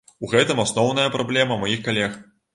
У гэтым асноўная праблема маіх калег.